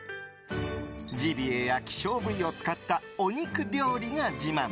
ジビエや希少部位を使ったお肉料理が自慢！